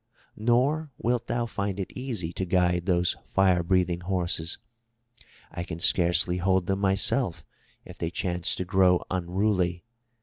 Nor wilt thou find it easy to guide those fire breathing horses. I can scarcely hold them myself if they chance to grow unruly.